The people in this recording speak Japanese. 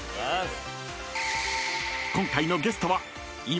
［今回のゲストは今］